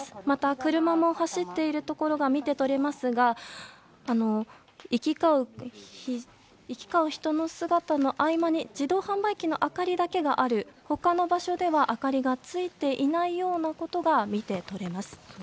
また、車も走っているところが見て取れますが行き交う人の姿の合間に自動販売機の明かりだけがある他の場所では、明かりがついていないようなことが見て取れます。